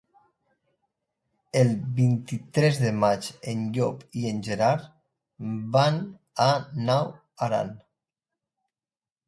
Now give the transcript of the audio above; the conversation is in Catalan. El vint-i-tres de maig en Llop i en Gerard van a Naut Aran.